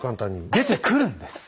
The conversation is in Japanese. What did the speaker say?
出てくるんです！